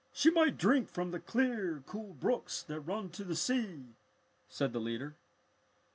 She might drink from the clear, cool brooks that run to the sea," said the leader.